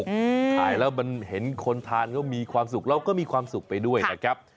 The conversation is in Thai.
ขายแล้วมันเห็นคนทานเขามีความสุขเราก็มีความสุขไปด้วยนะครับ